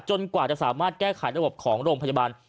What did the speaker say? กว่าจะสามารถแก้ไขระบบของโรงพยาบาล